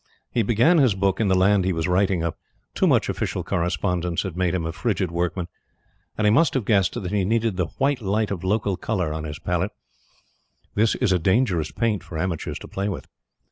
He began his book in the land he was writing of. Too much official correspondence had made him a frigid workman, and he must have guessed that he needed the white light of local color on his palette. This is a dangerous paint for amateurs to play with.